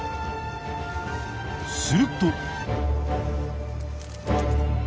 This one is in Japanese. すると。